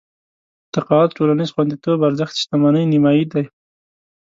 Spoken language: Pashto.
تقاعد ټولنيز خونديتوب ارزښت شتمنۍ نيمايي دي.